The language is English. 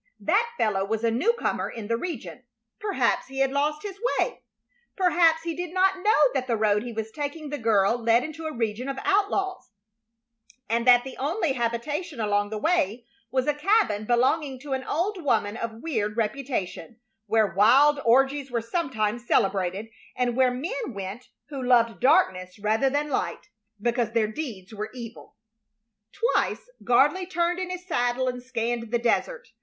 That fellow was a new comer in the region; perhaps he had lost his way. Perhaps he did not know that the road he was taking the girl led into a region of outlaws, and that the only habitation along the way was a cabin belonging to an old woman of weird reputation, where wild orgies were sometimes celebrated, and where men went who loved darkness rather than light, because their deeds were evil. Twice Gardley turned in his saddle and scanned the desert.